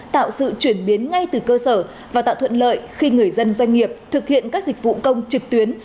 tạo sự chuyển biến ngay từ cơ sở và tạo thuận lợi khi người dân doanh nghiệp thực hiện các dịch vụ công trực tuyến